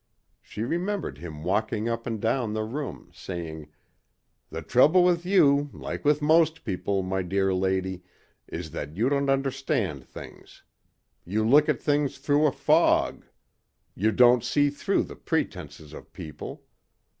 She remembered him walking up and down the room saying, "The trouble with you, like with most people, my dear lady, is that you don't understand things. You look at things through a fog. You don't see through the pretences of people.